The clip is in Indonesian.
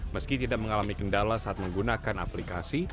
meski tidak mengalami kendala saat menggunakan aplikasi